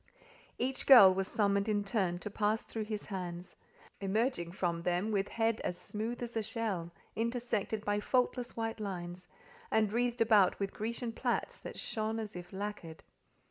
Each girl was summoned in turn to pass through his hands; emerging from them with head as smooth as a shell, intersected by faultless white lines, and wreathed about with Grecian plaits that shone as if lacquered.